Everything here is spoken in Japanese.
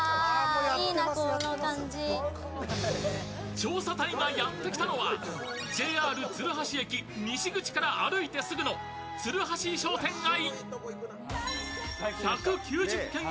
調査隊がやってきたのはＪＲ鶴橋駅西口から歩いてすぐの鶴橋商店街。